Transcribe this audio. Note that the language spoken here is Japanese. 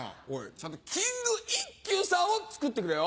ちゃんとキング一休さんをつくってくれよ。